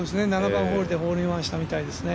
７番ホールでホールインワンしたそうですね。